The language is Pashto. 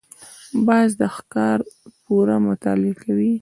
باز د ښکار پوره مطالعه کوي